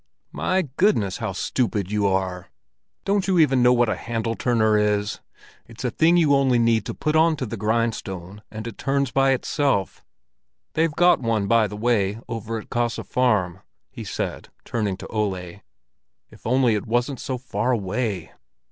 "My goodness, how stupid you are! Don't you even know what a handle turner is? It's a thing you only need to put on to the grindstone, and it turns it by itself. They've got one by the way over at Kaase Farm," he said, turning to Ole; "if only it wasn't so far away."